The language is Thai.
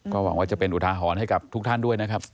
ก็หวังว่าจะเป็นอุทาหรณ์ให้กับทุกท่านด้วยนะครับ